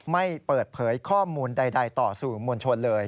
ไม่เปิดเผยข้อมูลใดต่อสื่อมวลชนเลย